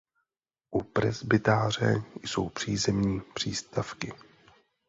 U presbytáře jsou přízemní přístavky.